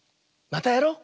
「またやろう！」。